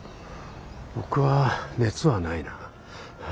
僕は熱はないな。